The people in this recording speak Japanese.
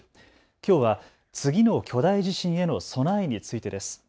きょうは次の巨大地震への備えについてです。